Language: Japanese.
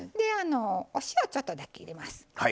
お塩ちょっとだけ入れます。